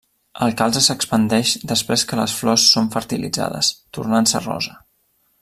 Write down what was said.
El calze s'expandeix després que les flors són fertilitzades, tornant-se rosa.